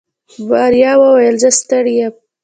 ماريا وويل زه ستړې يم.